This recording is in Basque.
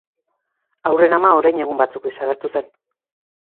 Haurren ama orain egun batzuk desagertu zen.